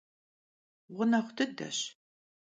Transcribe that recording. Ğuneğu dıdeş.